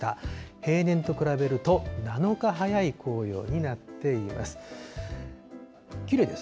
平年と比べると、７日早い紅葉になっています。